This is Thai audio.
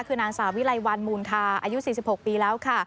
คือนางสาวิไลวันมูลคาอายุ๔๖ปีแล้วค่ะ